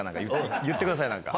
言ってください何か。